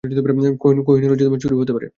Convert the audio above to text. কোহিনূর চুরিও হতে পারে!